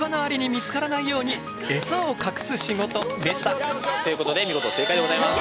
というわけでということで見事正解でございます。